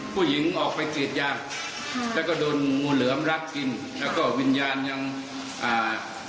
ผู้หญิงออกไปกรีดยางแล้วก็โดนงูเหลือมรักกินแล้วก็วิญญาณยังอ่า